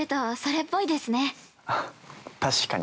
◆確かに。